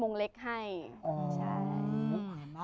อ๋อมึงเห็ดไหม